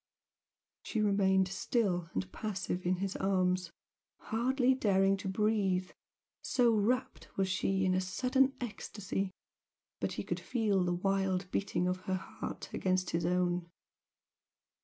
She remained still and passive in his arms hardly daring to breathe, so rapt was she in a sudden ecstasy, but he could feel the wild beating of her heart against his own.